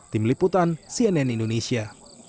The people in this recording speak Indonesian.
tim liputan cnn indonesia